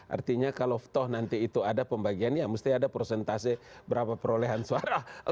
artinya kalau toh nanti itu ada pembagiannya musti ada prosentase berapa perolehan suara